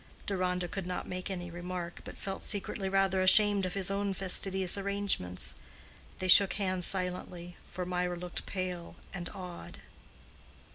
Deronda could not make any remark, but felt secretly rather ashamed of his own fastidious arrangements. They shook hands silently, for Mirah looked pale and awed.